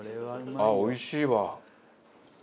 ああおいしいわ。